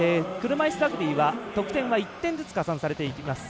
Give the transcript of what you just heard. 車いすラグビーは得点は１点ずつ、加算されていきます。